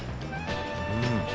うん。